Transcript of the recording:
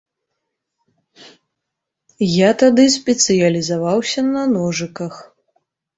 Я тады спецыялізаваўся на ножыках.